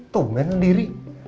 tuh main sendiri